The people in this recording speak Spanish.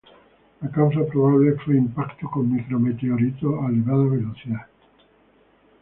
La causa probable fue impacto con micro meteoritos a elevada velocidad.